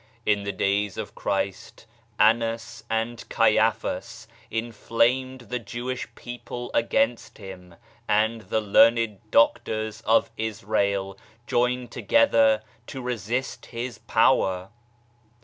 In the day of Christ, Annas and Caiaphas inflamed the Jewish people against Him and the learned doctors of Israel joined together to resist His Power.